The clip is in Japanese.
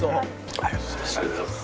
ありがとうございます。